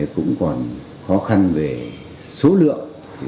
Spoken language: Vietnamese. cũng còn khó khăn về số lượng